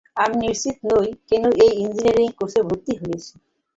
আমি নিশ্চিত নই কেন এই ইঞ্জিনিয়ারিং কোর্সে ভর্তি হয়েছি?